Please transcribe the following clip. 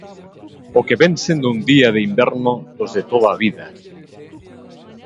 O que vén sendo un día de inverno dos de toda a vida.